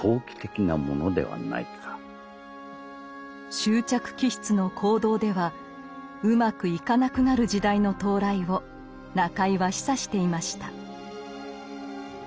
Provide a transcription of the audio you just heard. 執着気質の行動ではうまくいかなくなる時代の到来を中井は示唆していました。